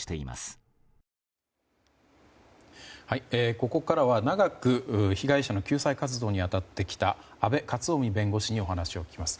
ここからは長く被害者の救済活動に当たってきた阿部克臣弁護士にお話を聞きます。